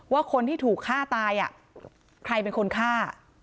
ว่าคนที่ถูกฆ่าตายใครเป็นคนฆ่า